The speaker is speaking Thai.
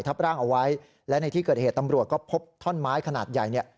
ทับร่างเอาไว้และในที่เกิดเหตุตำรวจก็พบท่อนไม้ขนาดใหญ่เนี่ย